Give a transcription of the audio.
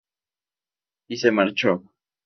Y se marchó.